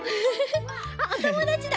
あっおともだちだ。